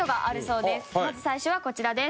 まず最初は、こちらです。